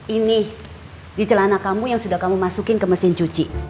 ini di celana kamu yang sudah kamu masukin ke mesin cuci